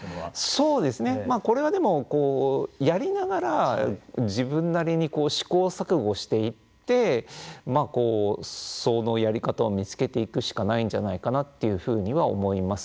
そうですね、これはでも、やりながら自分なりに試行錯誤していってそのやり方を見つけていくしかないんじゃないかなというふうには思います。